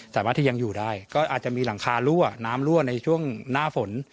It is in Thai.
สามารถที่ยังอยู่ได้ก็อาจจะมีหลังคารั่วน้ำรั่วในช่วงหน้าฝน